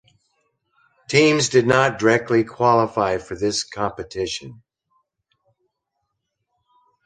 Teams did not directly qualify for this competition.